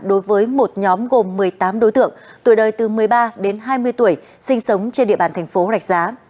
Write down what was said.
đối với một nhóm gồm một mươi tám đối tượng tuổi đời từ một mươi ba đến hai mươi tuổi sinh sống trên địa bàn thành phố rạch giá